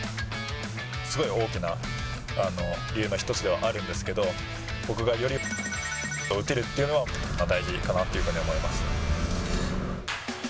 すごい大きな理由の一つではあるんですけど、僕がより×××を打てるっていうのが大事かなっていうふうに思います。